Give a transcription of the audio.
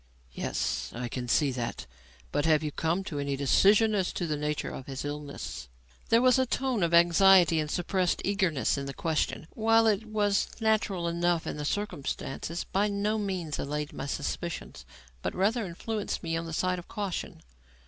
"Yes, I can see that. But have you come to any decision as to the nature of his illness?" There was a tone of anxiety and suppressed eagerness in the question which, while it was natural enough in the circumstances, by no means allayed my suspicions, but rather influenced me on the side of caution.